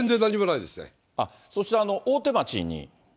そして大手町に？